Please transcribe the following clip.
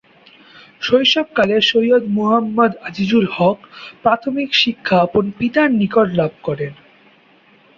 শৈশবকালে সৈয়দ মুহাম্মদ আজিজুল হক প্রাথমিক শিক্ষা আপন পিতার নিকট লাভ করেন।